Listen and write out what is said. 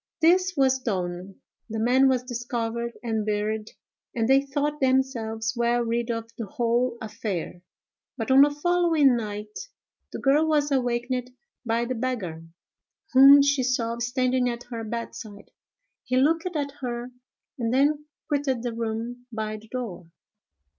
This was done, the man was discovered and buried, and they thought themselves well rid of the whole affair; but, on the following night, the girl was awakened by the beggar, whom she saw standing at her bedside. He looked at her, and then quitted the room by the door.